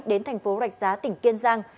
đến tp rạch giá tỉnh kiên giang